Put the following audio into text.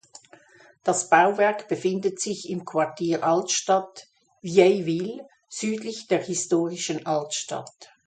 Das Bauwerk befindet sich im Quartier Altstadt "(Vieille ville)" südlich der historischen Altstadt.